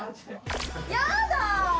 やだ！